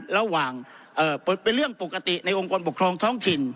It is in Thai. ระหว่างเป็นเรื่องปกติในองค์กรปกครองท้องถิ่น